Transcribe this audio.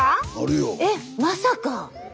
えっまさか！